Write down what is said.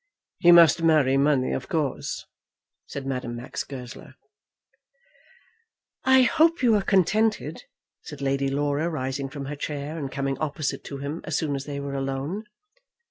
"He must marry money, of course," said Madame Max Goesler. "I hope you are contented?" said Lady Laura, rising from her chair and coming opposite to him as soon as they were alone.